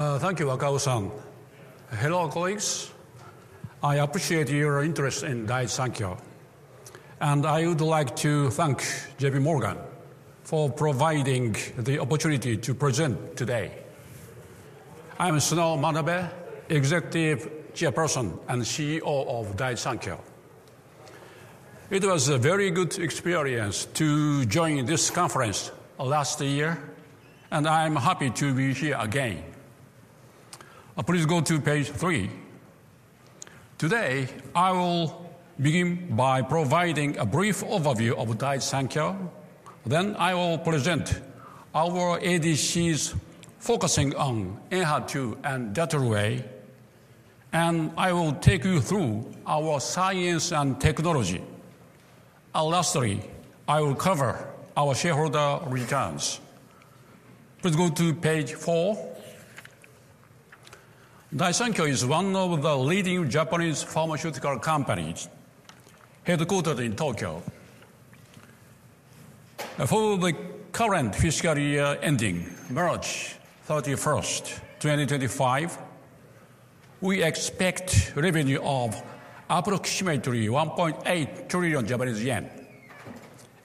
Thank you, Wakao-san. Hello colleagues. I appreciate your interest in Daiichi Sankyo, and I would like to thank JPMorgan for providing the opportunity to present today. I'm Sunao Manabe, Executive Chairperson and CEO of Daiichi Sankyo. It was a very good experience to join this conference last year, and I'm happy to be here again. Please go to page three. Today, I will begin by providing a brief overview of Daiichi Sankyo. Then I will present our ADCs focusing on ENHERTU and Datroway, and I will take you through our science and technology. Lastly, I will cover our shareholder returns. Please go to page four. Daiichi Sankyo is one of the leading Japanese pharmaceutical companies headquartered in Tokyo. For the current fiscal year ending March 31st, 2025, we expect revenue of approximately 1.8 trillion Japanese yen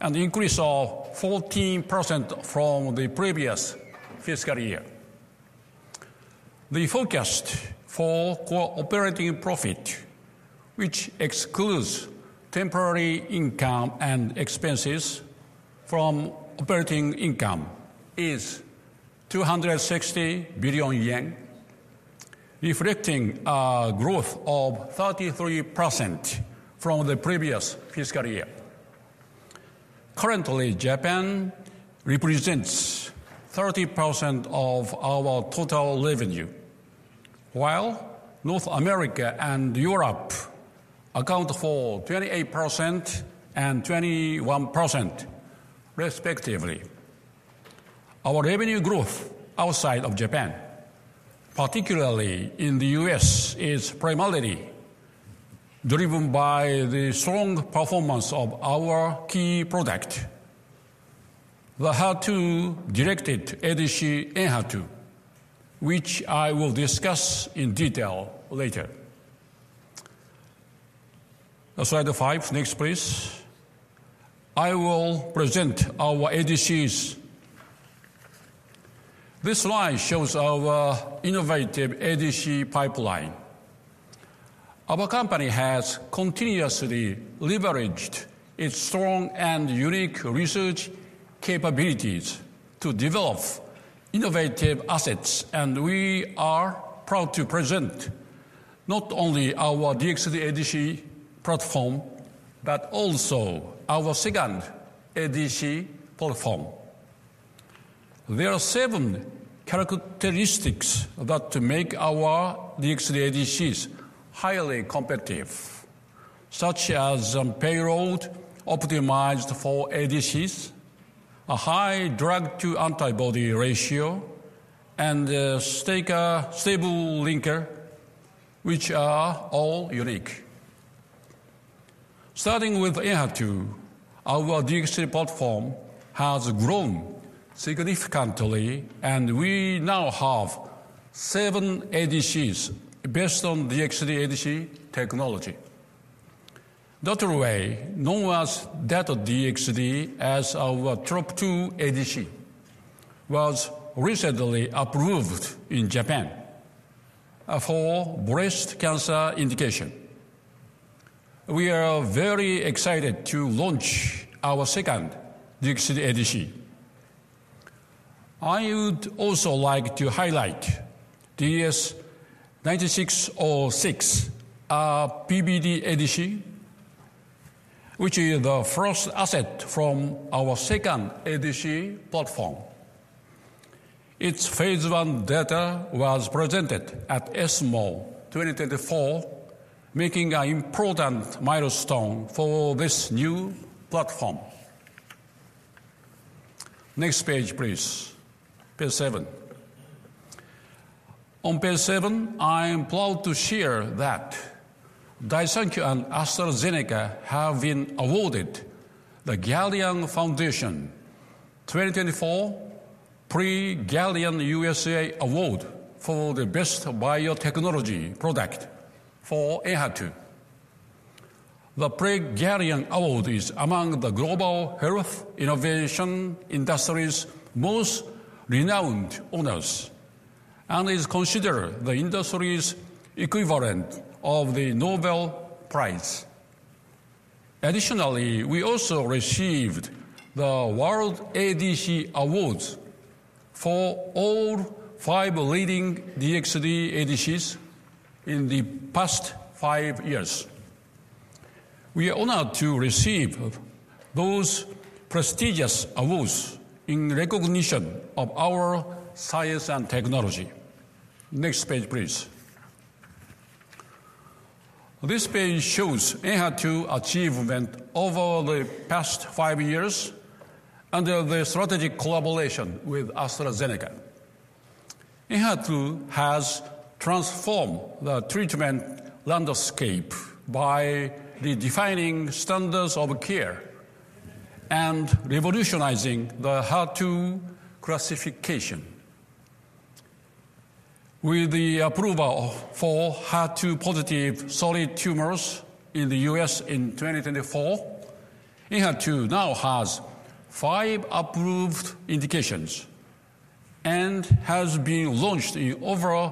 and an increase of 14% from the previous fiscal year. The forecast for operating profit, which excludes temporary income and expenses from operating income, is 260 billion yen, reflecting a growth of 33% from the previous fiscal year. Currently, Japan represents 30% of our total revenue, while North America and Europe account for 28% and 21%, respectively. Our revenue growth outside of Japan, particularly in the U.S., is primarily driven by the strong performance of our key product, the HER2-directed ADC ENHERTU, which I will discuss in detail later. Slide five, next please. I will present our ADCs. This slide shows our innovative ADC pipeline. Our company has continuously leveraged its strong and unique research capabilities to develop innovative assets, and we are proud to present not only our DXd ADC platform, but also our second ADC platform. There are seven characteristics that make our DXd ADCs highly competitive, such as payload optimized for ADCs, a high drug-to-antibody ratio, and a stable linker, which are all unique. Starting with ENHERTU, our DXd platform has grown significantly, and we now have seven ADCs based on DXd ADC technology. Datroway, known as Dato-DXd as our TROP2 ADC, was recently approved in Japan for breast cancer indication. We are very excited to launch our second DXd ADC. I would also like to highlight DS-9606, a PBD ADC, which is the first asset from our second ADC platform. Its phase one data was presented at ESMO 2024, marking an important milestone for this new platform. Next page, please. Page seven. On page seven, I'm proud to share that Daiichi Sankyo and AstraZeneca have been awarded the Galien Foundation 2024 Prix Galien USA Award for the best biotechnology product for ENHERTU. The Prix Galien Award is among the global health innovation industry's most renowned honors, and is considered the industry's equivalent of the Nobel Prize. Additionally, we also received the World ADC Awards for all five leading DXd ADCs in the past five years. We are honored to receive those prestigious awards in recognition of our science and technology. Next page, please. This page shows ENHERTU's achievement over the past five years under the strategic collaboration with AstraZeneca. ENHERTU has transformed the treatment landscape by redefining standards of care and revolutionizing the HER2 classification. With the approval for HER2-positive solid tumors in the U.S. in 2024, ENHERTU now has five approved indications and has been launched in over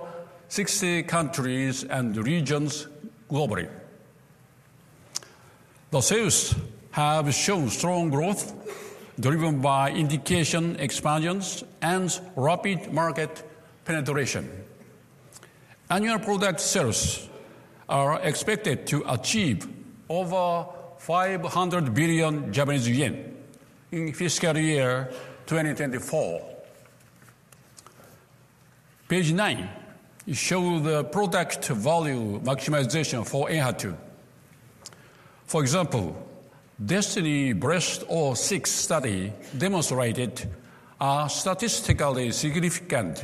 60 countries and regions globally. The sales have shown strong growth driven by indication expansions and rapid market penetration. Annual product sales are expected to achieve over 500 billion Japanese yen in fiscal year 2024. Page nine shows the product value maximization for ENHERTU. For example, DESTINY-Breast06 study demonstrated a statistically significant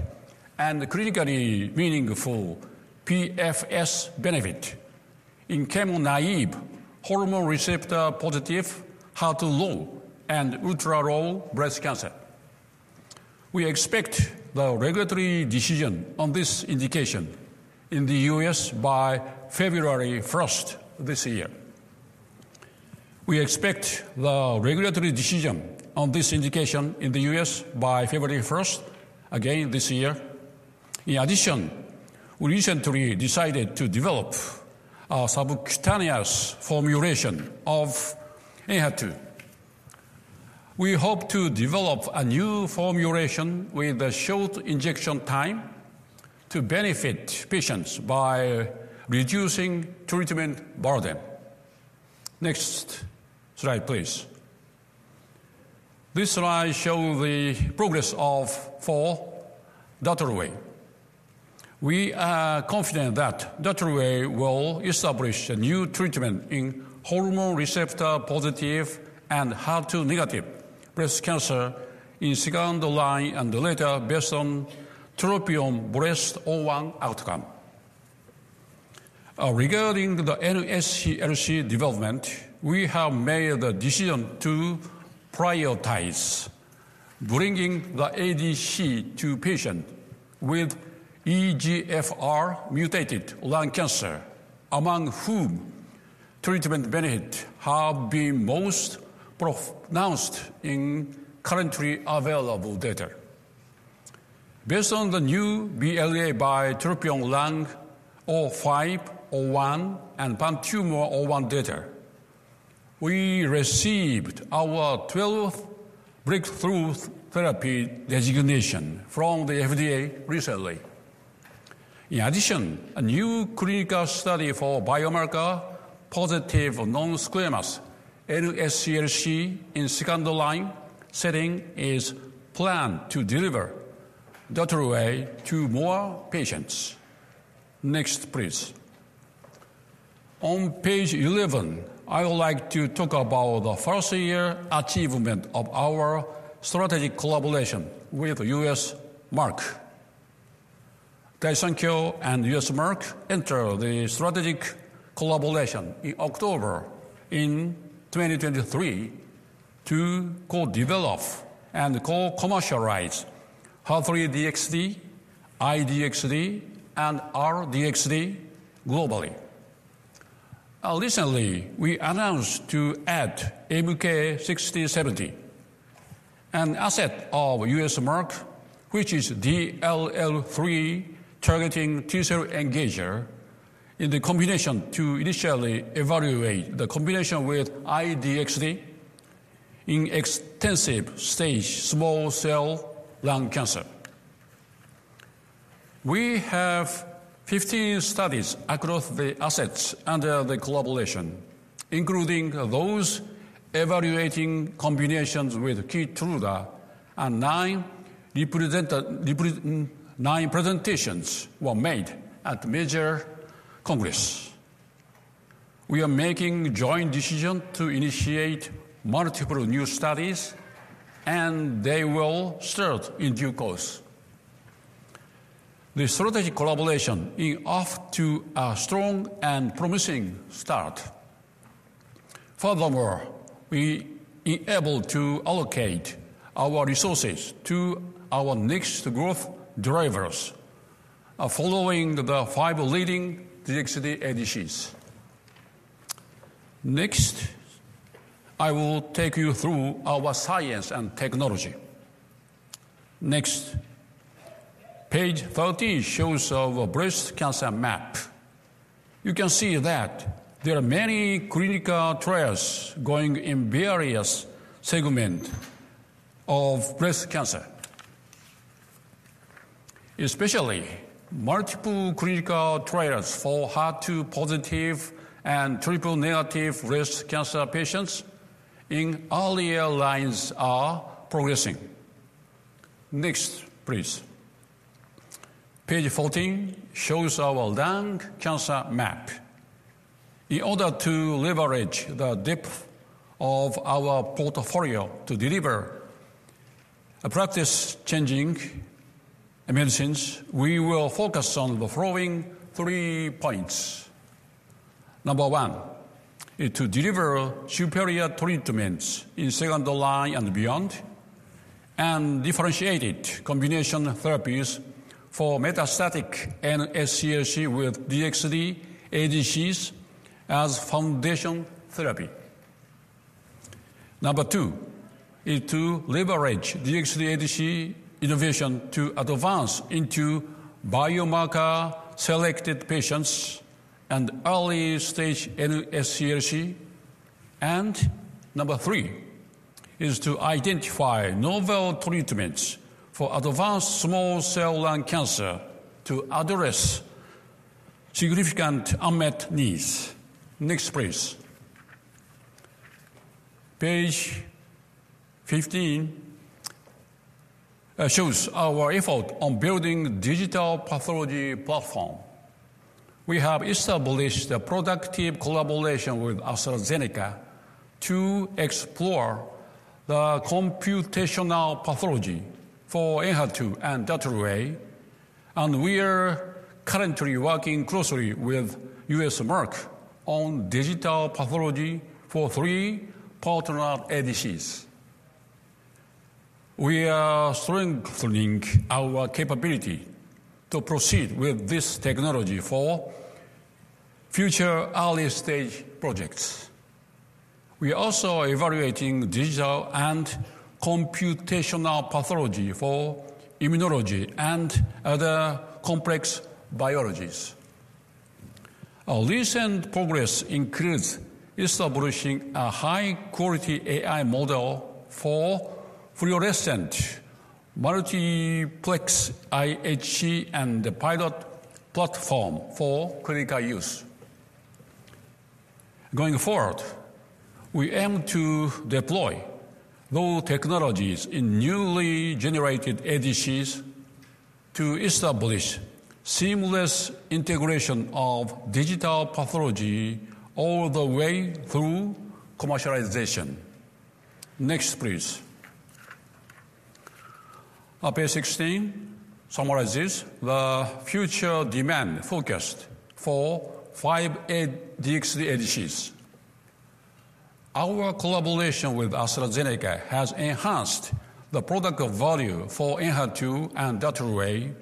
and clinically meaningful PFS benefit in chemo-naive, hormone receptor positive, HER2-low, and ultra-low breast cancer. We expect the regulatory decision on this indication in the U.S. by February 1st this year. We expect the regulatory decision on this indication in the U.S. by February 1st, again this year. In addition, we recently decided to develop a subcutaneous formulation of ENHERTU. We hope to develop a new formulation with a short injection time to benefit patients by reducing treatment burden. Next slide, please. This slide shows the progress of four Datroway. We are confident that Datroway will establish a new treatment in hormone receptor positive and HER2-negative breast cancer in second-line and later based on TROPION-Breast01 outcome. Regarding the NSCLC development, we have made the decision to prioritize bringing the ADC to patients with EGFR-mutated lung cancer, among whom treatment benefits have been most pronounced in currently available data. Based on the new BLA by TROPION-Lung05, TROPION-Lung01, and TROPION-PanTumor01 data, we received our 12th breakthrough therapy designation from the FDA recently. In addition, a new clinical study for biomarker-positive non-squamous NSCLC in second-line setting is planned to deliver Datroway to more patients. Next, please. On page 11, I would like to talk about the first-year achievement of our strategic collaboration with U.S. Merck. Daiichi Sankyo and U.S. Merck entered the strategic collaboration in October 2023 to co-develop and co-commercialize HER3-DXd, I-DXd, and R-DXd globally. Recently, we announced to add MK-6070, an asset of U.S. Merck, which is DLL3-targeting T-cell engager in the combination to initially evaluate the combination with I-DXd in extensive stage small cell lung cancer. We have 15 studies across the assets under the collaboration, including those evaluating combinations with Keytruda, and nine presentations were made at major congresses. We are making a joint decision to initiate multiple new studies, and they will start in due course. The strategic collaboration offers a strong and promising start. Furthermore, we are able to allocate our resources to our next growth drivers following the five leading DXd ADCs. Next, I will take you through our science and technology. Next. Page 13 shows our breast cancer map. You can see that there are many clinical trials going in various segments of breast cancer. Especially, multiple clinical trials for HER2-positive and triple-negative breast cancer patients in earlier lines are progressing. Next, please. Page 14 shows our lung cancer map. In order to leverage the depth of our portfolio to deliver practice-changing medicines, we will focus on the following three points. Number one is to deliver superior treatments in second-line and beyond, and differentiated combination therapies for metastatic NSCLC with DXd ADCs as foundation therapy. Number two is to leverage DXd ADC innovation to advance into biomarker-selected patients and early-stage NSCLC. And number three is to identify novel treatments for advanced small cell lung cancer to address significant unmet needs. Next, please. Page 15 shows our effort on building a digital pathology platform. We have established a productive collaboration with AstraZeneca to explore the computational pathology for ENHERTU and Dato-DXd, and we are currently working closely with U.S. Merck on digital pathology for three partner ADCs. We are strengthening our capability to proceed with this technology for future early-stage projects. We are also evaluating digital and computational pathology for immunology and other complex biologies. Our recent progress includes establishing a high-quality AI model for fluorescent multiplex IHC and the pilot platform for clinical use. Going forward, we aim to deploy those technologies in newly generated ADCs to establish seamless integration of digital pathology all the way through commercialization. Next, please. Page 16 summarizes the future demand focused for five DXd ADCs. Our collaboration with AstraZeneca has enhanced the product value for ENHERTU and Datroway,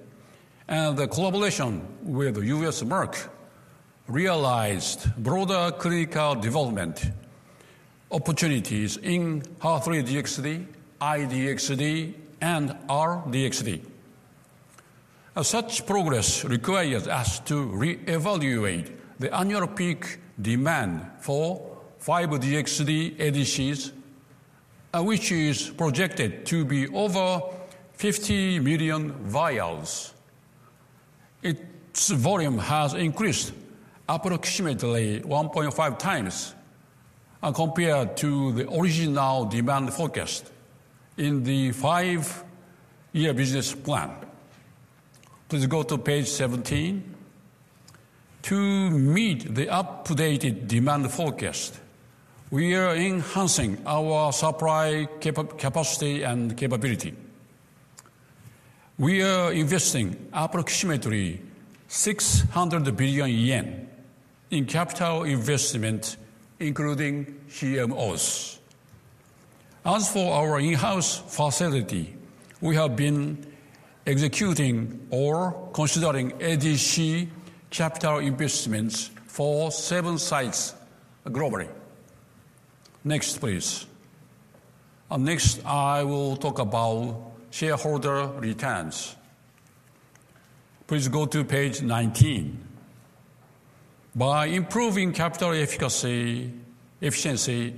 and the collaboration with U.S. Merck realized broader clinical development opportunities in HER3-DXd, I-DXd, and R-DXd. Such progress requires us to reevaluate the annual peak demand for five DXd ADCs, which is projected to be over 50 million vials. Its volume has increased approximately 1.5x compared to the original demand forecast in the five-year business plan. Please go to page 17. To meet the updated demand forecast, we are enhancing our supply capacity and capability. We are investing approximately 600 billion yen in capital investment, including CMOs. As for our in-house facility, we have been executing or considering ADC capital investments for seven sites globally. Next, please. Next, I will talk about shareholder returns. Please go to page 19. By improving capital efficacy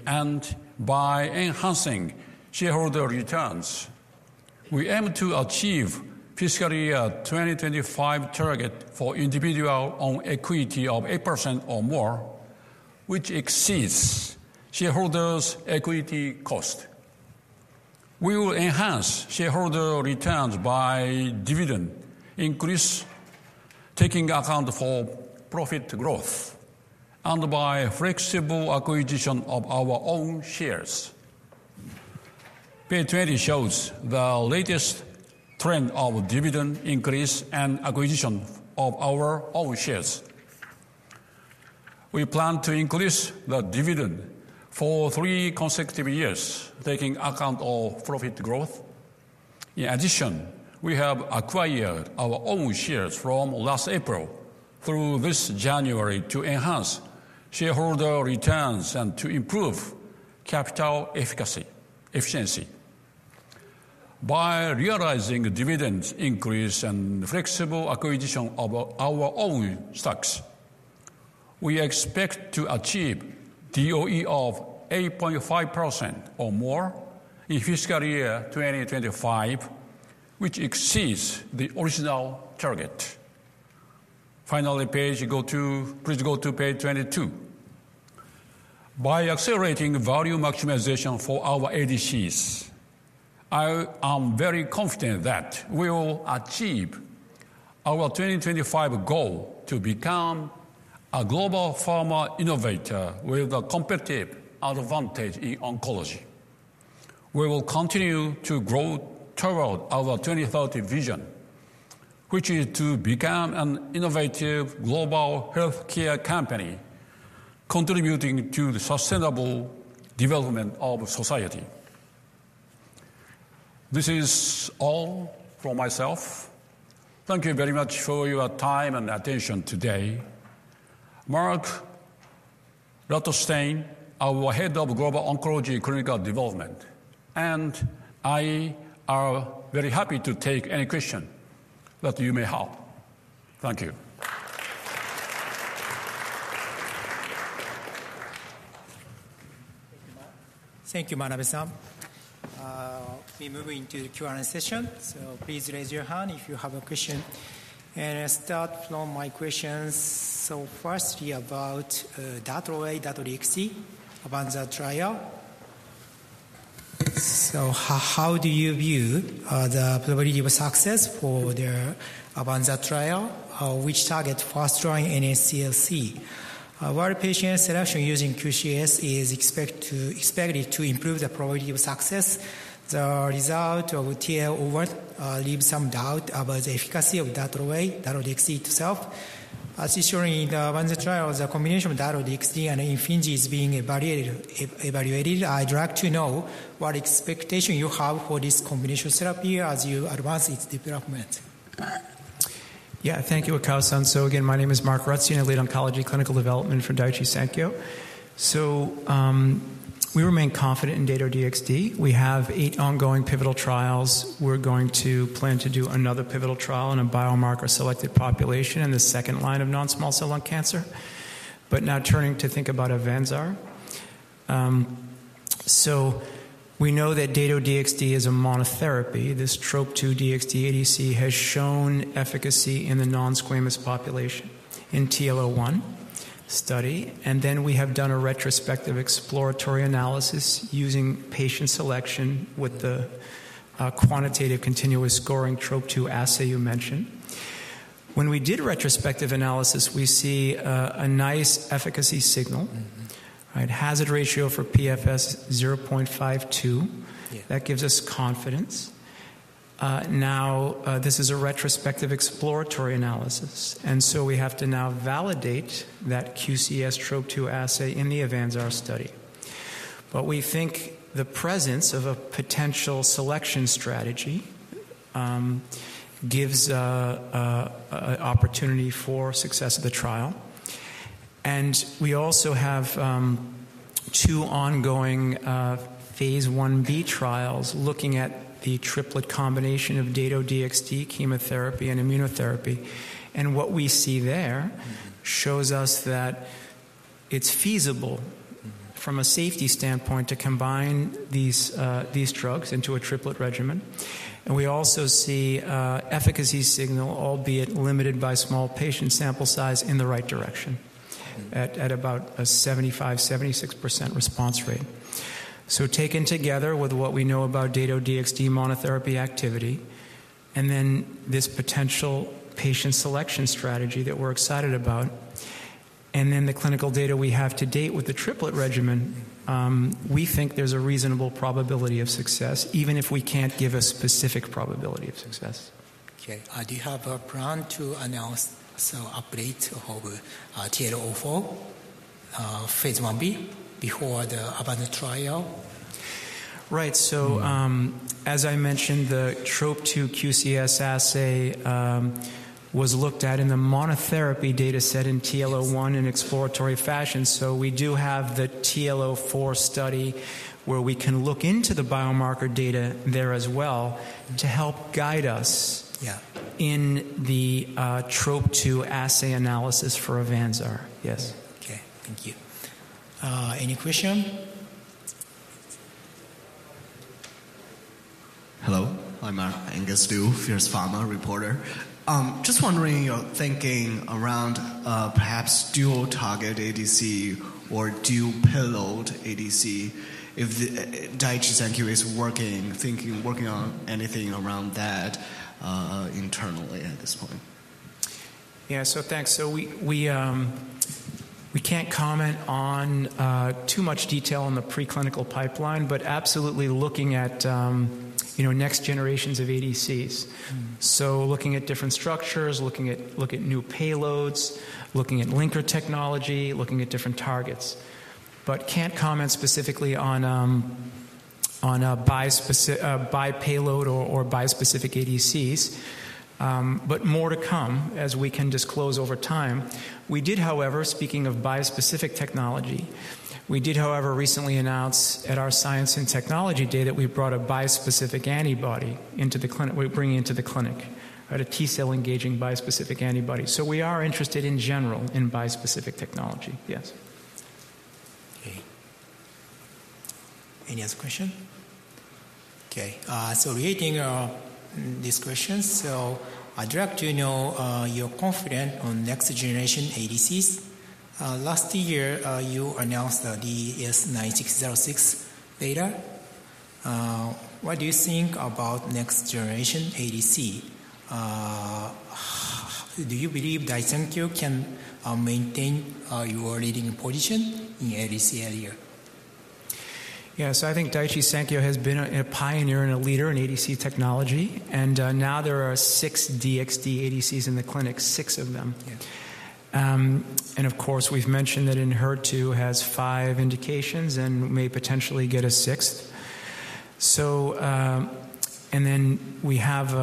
and by enhancing shareholder returns, we aim to achieve fiscal year 2025 target for ROE of 8% or more, which exceeds shareholders' equity cost. We will enhance shareholder returns by dividend increase, taking account for profit growth, and by flexible acquisition of our own shares. Page 20 shows the latest trend of dividend increase and acquisition of our own shares. We plan to increase the dividend for three consecutive years, taking account of profit growth. In addition, we have acquired our own shares from last April through this January to enhance shareholder returns and to improve capital efficiency. By realizing dividend increase and flexible acquisition of our own stocks, we expect to achieve DOE of 8.5% or more in fiscal year 2025, which exceeds the original target. Finally, please go to page 22. By accelerating value maximization for our ADCs, I am very confident that we will achieve our 2025 goal to become a global pharma innovator with a competitive advantage in oncology. We will continue to grow toward our 2030 vision, which is to become an innovative global healthcare company, contributing to the sustainable development of society. This is all from myself. Thank you very much for your time and attention today. Mark Rutstein, our Head of Global Oncology Clinical Development, and I am very happy to take any questions that you may have. Thank you. Thank you, Mr. Manabe. We're moving to the Q&A session, so please raise your hand if you have a question. And I'll start from my questions. So firstly, about Datroway, Dato-DXd, AVANZAR Trial. So how do you view the probability of success for the AVANZAR Trial, which targets fast-growing NSCLC? While patient selection using QCS is expected to improve the probability of success, the result of TL01 leaves some doubt about the efficacy of Datroway, Dato-DXd itself. As you showed in the AVANZAR trial, the combination of Dato-DXd and Imfinzi is being evaluated. I'd like to know what expectations you have for this combination therapy as you advance its development. Yeah, thank you, Wakao-san. So again, my name is Mark Rutstein. I lead Oncology Clinical Development from Daiichi Sankyo. So we remain confident in Dato-DXd. We have eight ongoing pivotal trials. We're going to plan to do another pivotal trial in a biomarker-selected population in the second-line of non-small cell lung cancer, but now turning to think about AVANZAR. So we know that Dato-DXd is a monotherapy. This TROP2 DXd ADC has shown efficacy in the non-squamous population in TL01 study. And then we have done a retrospective exploratory analysis using patient selection with the quantitative continuous scoring TROP2 assay you mentioned. When we did retrospective analysis, we see a nice efficacy signal. Hazard ratio for PFS 0.52. That gives us confidence. Now, this is a retrospective exploratory analysis, and so we have to now validate that QCS TROP2 assay in the AVANZAR study. But we think the presence of a potential selection strategy gives an opportunity for success of the trial. And we also have two ongoing phase 1b trials looking at the triplet combination of Dato-DXd chemotherapy and immunotherapy. And what we see there shows us that it's feasible from a safety standpoint to combine these drugs into a triplet regimen. And we also see an efficacy signal, albeit limited by small patient sample size, in the right direction at about a 75%-76% response rate. So taken together with what we know about Dato-DXd monotherapy activity, and then this potential patient selection strategy that we're excited about, and then the clinical data we have to date with the triplet regimen, we think there's a reasonable probability of success, even if we can't give a specific probability of success. Okay. Do you have a plan to announce some updates of TROPION-Lung04 phase 1b before the AVANZAR Trial? Right. So as I mentioned, the TROP2 QCS assay was looked at in the monotherapy data set in TL01 in exploratory fashion. So we do have the TL04 study where we can look into the biomarker data there as well to help guide us in the TROP2 assay analysis for AVANZAR. Yes. Okay. Thank you. Any questions? Hello. I'm Angus Liu, Fierce Pharma reporter. Just wondering your thinking around perhaps dual-target ADC or dual-payload ADC, if Daiichi Sankyo is working, thinking, working on anything around that internally at this point. Yeah. So thanks. So we can't comment on too much detail on the preclinical pipeline, but absolutely looking at next generations of ADCs. So looking at different structures, looking at new payloads, looking at linker technology, looking at different targets. But can't comment specifically on bi-payload or bi-specific ADCs, but more to come as we can disclose over time. We did, however, speaking of bi-specific technology, recently announce at our Science and Technology Day that we're bringing into the clinic a T-cell engaging bi-specific antibody. So we are interested in general in bi-specific technology. Yes. Okay. Any other questions? Okay. Relating to these questions, I'd like to know your confidence on next-generation ADCs. Last year, you announced the DS-9606 data. What do you think about next-generation ADC? Do you believe Daiichi Sankyo can maintain your leading position in ADC earlier? Yeah. I think Daiichi Sankyo has been a pioneer and a leader in ADC technology. And now there are six DXd ADCs in the clinic, six of them. And of course, we've mentioned that ENHERTU has five indications and may potentially get a sixth. And then we have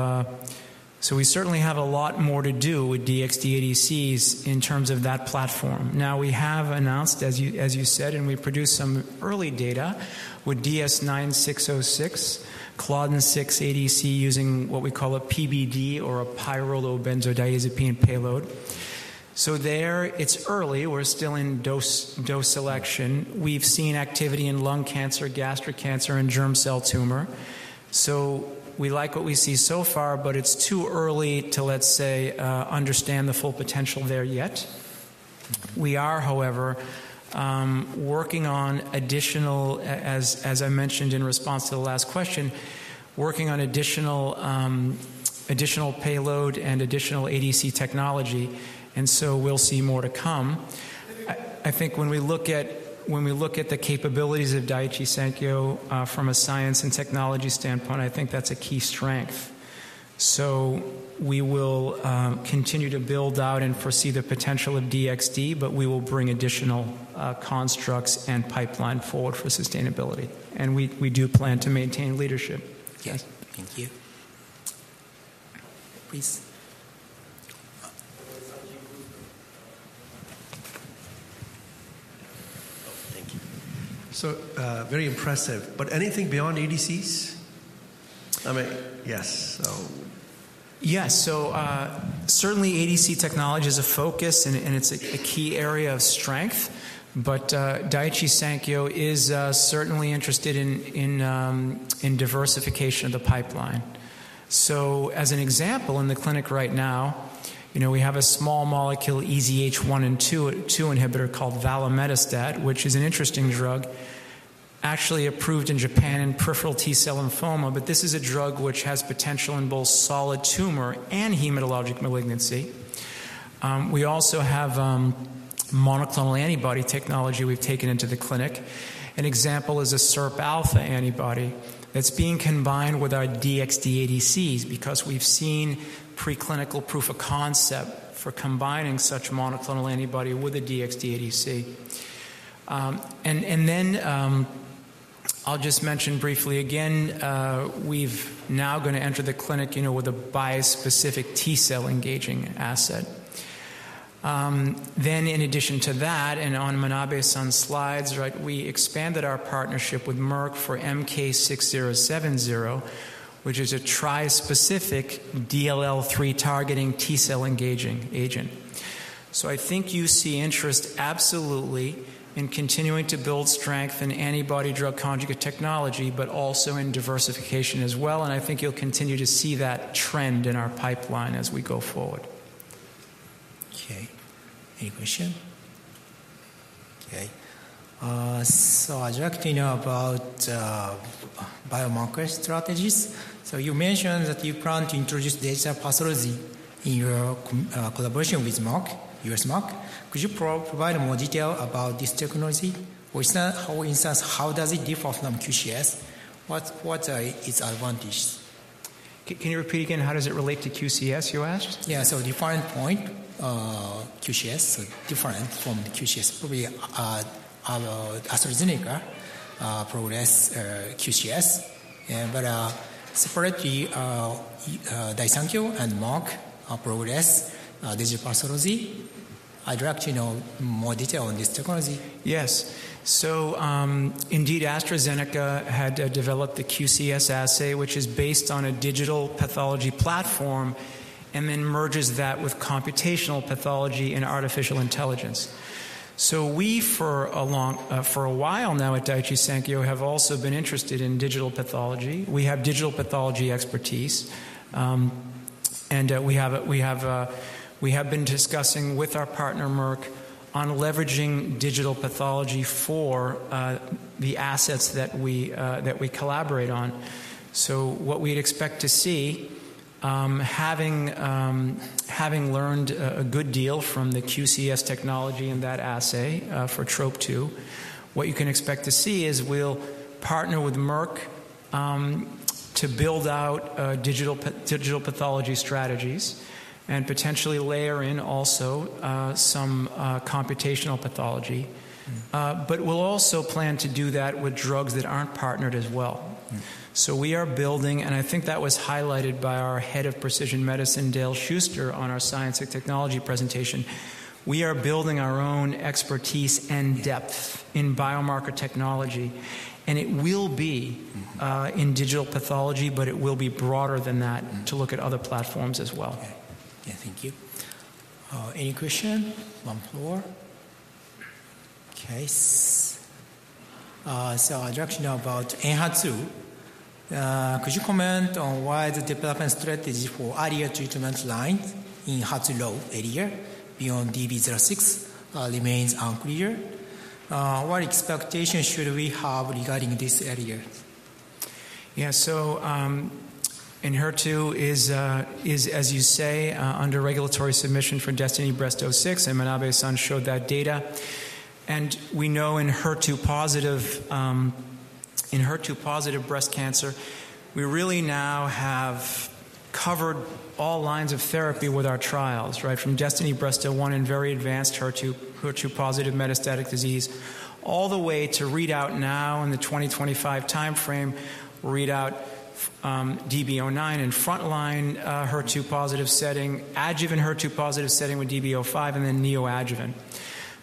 we certainly have a lot more to do with DXd ADCs in terms of that platform. Now, we have announced, as you said, and we produced some early data with DS-9606, CLDN6 ADC using what we call a PBD or a pyrrolobenzodiazepine payload. There, it's early. We're still in dose selection. We've seen activity in lung cancer, gastric cancer, and germ cell tumor. So we like what we see so far, but it's too early to, let's say, understand the full potential there yet. We are, however, working on additional, as I mentioned in response to the last question, working on additional payload and additional ADC technology. And so we'll see more to come. I think when we look at the capabilities of Daiichi Sankyo from a science and technology standpoint, I think that's a key strength. So we will continue to build out and foresee the potential of DXd, but we will bring additional constructs and pipeline forward for sustainability. And we do plan to maintain leadership. Okay. Thank you. Please. Thank you. So very impressive. But anything beyond ADCs? I mean, yes. Yes. So certainly ADC technology is a focus, and it's a key area of strength. Daiichi Sankyo is certainly interested in diversification of the pipeline. So as an example, in the clinic right now, we have a small molecule EZH1 and EZH2 inhibitor called Valametastat, which is an interesting drug, actually approved in Japan in peripheral T-cell lymphoma. But this is a drug which has potential in both solid tumor and hematologic malignancy. We also have monoclonal antibody technology we've taken into the clinic. An example is a SIRP alpha antibody that's being combined with our DXD ADCs because we've seen preclinical proof of concept for combining such monoclonal antibody with a DXD ADC. And then I'll just mention briefly again, we've now going to enter the clinic with a bi-specific T-cell engaging asset. Then in addition to that, and on Manabe's slides, we expanded our partnership with Merck for MK-6070, which is a tri-specific DLL3-targeting T-cell engaging agent. So I think you see interest absolutely in continuing to build strength in antibody drug conjugate technology, but also in diversification as well. And I think you'll continue to see that trend in our pipeline as we go forward. Okay. Any questions? Okay. So I'd like to know about biomarker strategies. So you mentioned that you plan to introduce DXd pathology in your collaboration with U.S. Merck. Could you provide more detail about this technology? For instance, how does it differ from QCS? What are its advantages? Can you repeat again? How does it relate to QCS, you asked? Yeah. So different point, QCS, so different from the QCS, probably AstraZeneca progressed QCS. But separately, Daiichi Sankyo and Merck progressed digital pathology. I'd like to know more detail on this technology. Yes. Indeed, AstraZeneca had developed the QCS assay, which is based on a digital pathology platform and then merges that with computational pathology and artificial intelligence. We, for a while now at Daiichi Sankyo, have also been interested in digital pathology. We have digital pathology expertise and we have been discussing with our partner, Merck, on leveraging digital pathology for the assets that we collaborate on. What we'd expect to see, having learned a good deal from the QCS technology and that assay for TROP2, what you can expect to see is we'll partner with Merck to build out digital pathology strategies and potentially layer in also some computational pathology, but we'll also plan to do that with drugs that aren't partnered as well. So we are building, and I think that was highlighted by our head of precision medicine, Dale Shuster, on our science and technology presentation. We are building our own expertise and depth in biomarker technology. And it will be in digital pathology, but it will be broader than that to look at other platforms as well. Okay. Yeah. Thank you. Any questions? One floor. Okay. So I'd like to know about ENHERTU. Could you comment on why the development strategy for earlier treatment line in HER2-low area beyond DB06 remains unclear? What expectations should we have regarding this area? Yeah. So ENHERTU is, as you say, under regulatory submission for DESTINY-Breast06, and Daiichi Sankyo showed that data. And we know ENHERTU-positive breast cancer. We really now have covered all lines of therapy with our trials, right, from DESTINY-Breast 01 and very advanced HER2-positive metastatic disease, all the way to read out now in the 2025 timeframe, read out DB09 in frontline HER2-positive setting, adjuvant HER2-positive setting with DB05, and then neoadjuvant.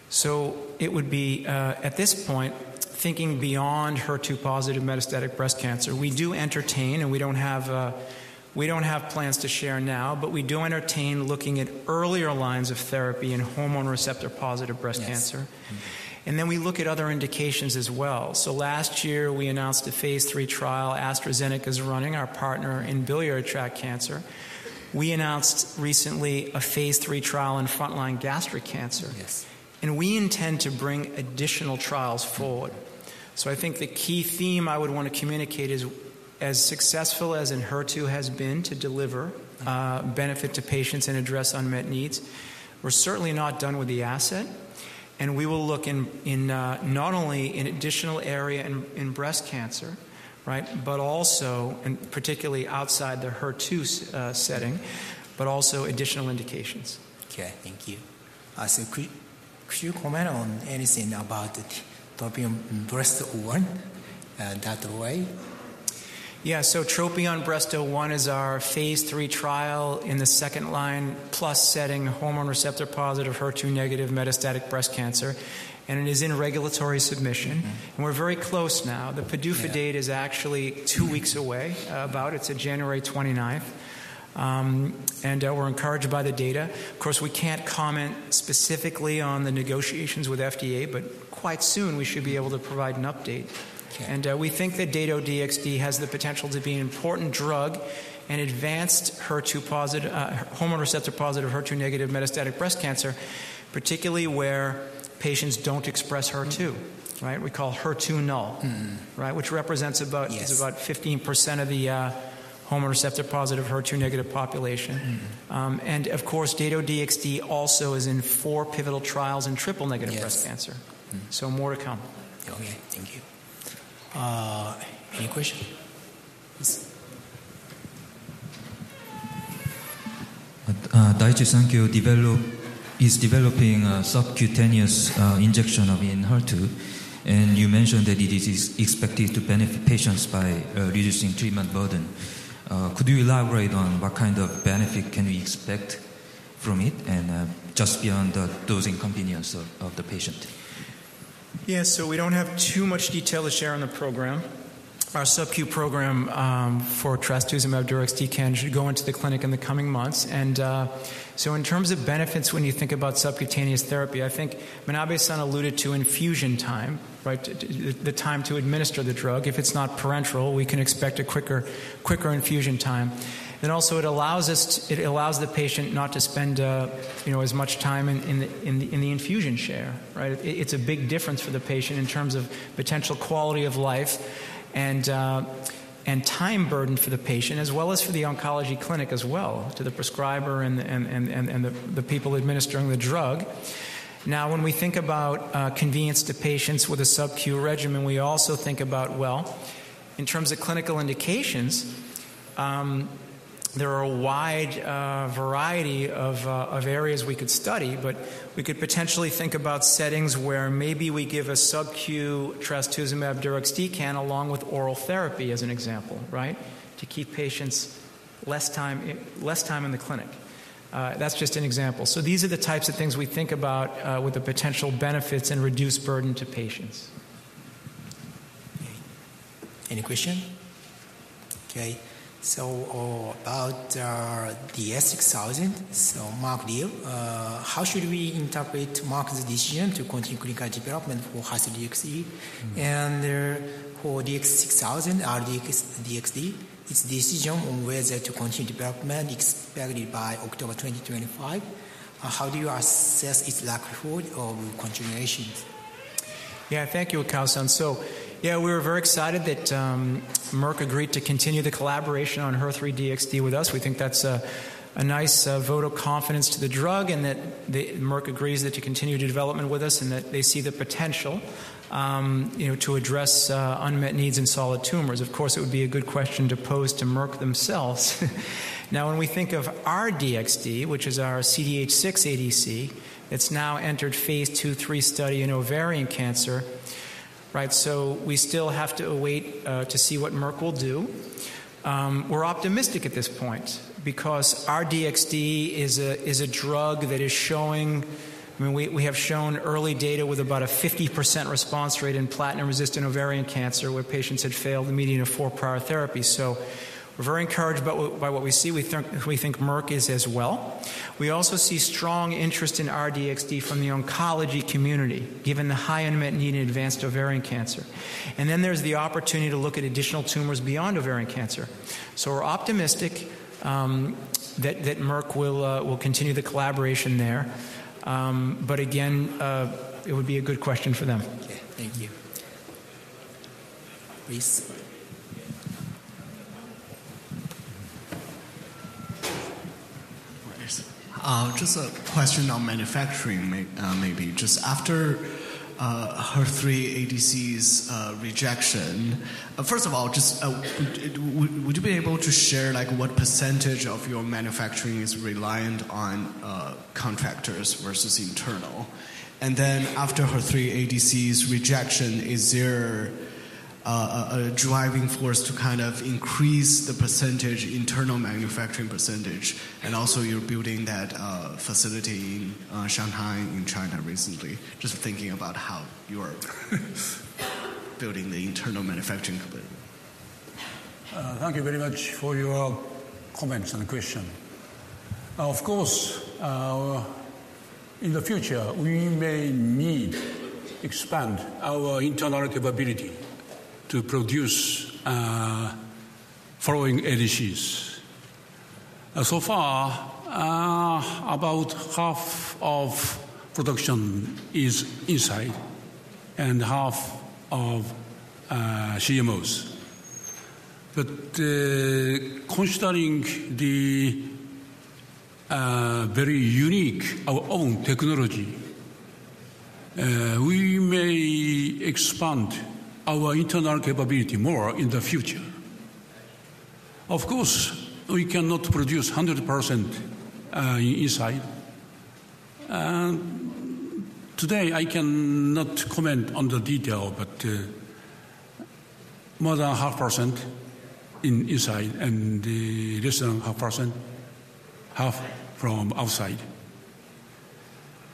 So it would be, at this point, thinking beyond HER2-positive metastatic breast cancer. We do entertain, and we don't have plans to share now, but we do entertain looking at earlier lines of therapy in hormone receptor-positive breast cancer. And then we look at other indications as well. So last year, we announced a phase three trial. AstraZeneca, our partner, is running in biliary tract cancer. We announced recently a phase three trial in frontline gastric cancer. And we intend to bring additional trials forward. So I think the key theme I would want to communicate is, as successful as ENHERTU has been to deliver benefit to patients and address unmet needs, we're certainly not done with the asset. And we will look in not only in additional area in breast cancer, right, but also, and particularly outside the HER2 setting, but also additional indications. Okay. Thank you. So could you comment on anything about the TROPION-Breast01 that way? Yeah. So TROPION-Breast01 is our phase three trial in the second-line plus setting, hormone receptor-positive, HER2-negative metastatic breast cancer. And it is in regulatory submission. And we're very close now. The PDUFA date is actually two weeks away, about. It's January 29th. And we're encouraged by the data. Of course, we can't comment specifically on the negotiations with FDA, but quite soon, we should be able to provide an update. We think that Dato-DXd has the potential to be an important drug in advanced HER2-positive, hormone receptor-positive, HER2-negative metastatic breast cancer, particularly where patients don't express HER2, right? We call HER2 null, right, which represents about 15% of the hormone receptor-positive, HER2-negative population. Of course, Dato-DXd also is in four pivotal trials in triple-negative breast cancer. More to come. Okay. Thank you. Any questions? Daiichi Sankyo is developing a subcutaneous injection of ENHERTU. You mentioned that it is expected to benefit patients by reducing treatment burden. Could you elaborate on what kind of benefit can we expect from it and just beyond the dosing convenience of the patient? Yeah. We don't have too much detail to share on the program. Our subQ program for trastuzumab deruxtecan can go into the clinic in the coming months. And so in terms of benefits, when you think about subcutaneous therapy, I think Manabe-san alluded to infusion time, right, the time to administer the drug. If it's not parenteral, we can expect a quicker infusion time. And also, it allows the patient not to spend as much time in the infusion chair, right? It's a big difference for the patient in terms of potential quality of life and time burden for the patient, as well as for the oncology clinic as well, to the prescriber and the people administering the drug. Now, when we think about convenience to patients with a subQ regimen, we also think about, well, in terms of clinical indications, there are a wide variety of areas we could study. But we could potentially think about settings where maybe we give a subQ trastuzumab deruxtecan along with oral therapy as an example, right, to keep patients less time in the clinic. That's just an example. So these are the types of things we think about with the potential benefits and reduced burden to patients. Okay. Any questions? Okay. So about DS-6000, so Merck, deal, how should we interpret Merck decision to continue clinical development for HER3-DXd? And for DS-6000, R-DXd, its decision on whether to continue development expected by October 2025, how do you assess its likelihood of continuation? Yeah. Thank you, Wakao-san. And so, yeah, we're very excited that Merck agreed to continue the collaboration on HER3-DXd with us. We think that's a nice vote of confidence to the drug and that Merck agrees to continue development with us and that they see the potential to address unmet needs in solid tumors. Of course, it would be a good question to pose to Merck themselves. Now, when we think of our DXd, which is our CDH6 ADC, that's now entered phase two, three study in ovarian cancer, right? So we still have to await to see what Merck will do. We're optimistic at this point because our DXd is a drug that is showing I mean, we have shown early data with about a 50% response rate in platinum-resistant ovarian cancer where patients had failed the median of four prior therapies. So we're very encouraged by what we see. We think Merck is as well. We also see strong interest in our DXd from the oncology community given the high unmet need in advanced ovarian cancer, and then there's the opportunity to look at additional tumors beyond ovarian cancer, so we're optimistic that Merck will continue the collaboration there, but again, it would be a good question for them. Okay. Thank you. Please. Just a question on manufacturing maybe. Just after HER3-DXd's rejection, first of all, would you be able to share what percentage of your manufacturing is reliant on contractors versus internal? And then after HER3-DXd's rejection, is there a driving force to kind of increase the internal manufacturing percentage? And also, you're building that facility in Shanghai in China recently. Just thinking about how you're building the internal manufacturing component. Thank you very much for your comments and questions. Of course, in the future, we may need to expand our internal capability to produce following ADCs. So far, about half of production is inside and half from CMOs. But considering the very unique of our own technology, we may expand our internal capability more in the future. Of course, we cannot produce 100% inside. Today, I cannot comment on the detail, but more than half percent inside and less than half percent, half from outside.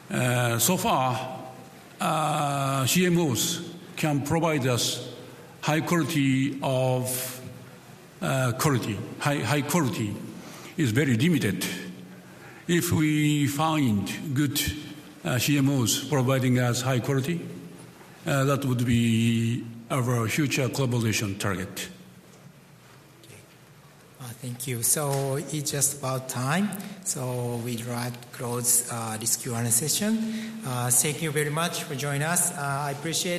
So far, CMOs can provide us high quality. High quality is very limited. If we find good CMOs providing us high quality, that would be our future collaboration target. Okay. Thank you. It's just about time. So we'll wrap up this Q&A session. Thank you very much for joining us. I appreciate.